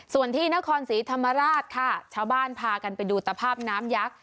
ส่วนที่นครศรีธรรมราชค่ะชาวบ้านพากันไปดูตภาพน้ำยักษ์